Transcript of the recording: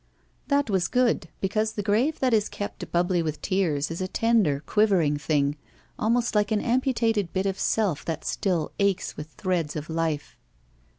That was good, because the grave that is kept bubbly with tears is a tender, quivering thing, almost like an amputated bit of self that still aches with threads of life.